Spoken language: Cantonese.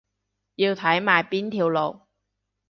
要睇埋邊條路